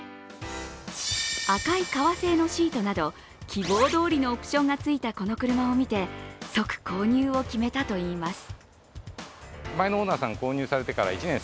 赤い革製のシートなど希望どおりのオプションがついたこの車を見て即購入を決めたといいます。